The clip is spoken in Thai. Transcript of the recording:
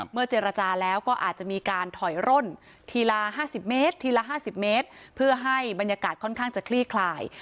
เมื่อเจรจาแล้วก็อาจจะมีการถอยร่นทีละ๕๐เมตรทีละ๕๐เมตรเพื่อให้บรรยากาศค่อนข้างจะคลี่คลาย